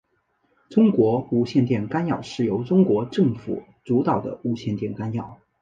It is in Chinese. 中国无线电干扰是由中国政府主导的无线电干扰。